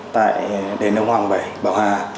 tại đền đông hoàng bảy bảo hà